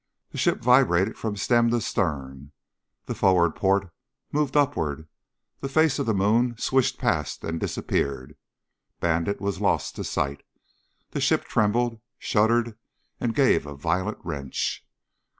The ship vibrated from stem to stern. The forward port moved upward; the face of the moon swished past and disappeared. Bandit was lost to sight. The ship trembled, shuddered and gave a violent wrench.